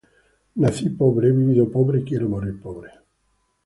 Nací pobre, he vivido pobre y quiero morir pobre.